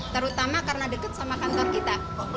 terutama karena dekat sama kantor kita